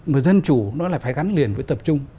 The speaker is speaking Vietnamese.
mà dân chủ nó là phải gắn liền với tập trung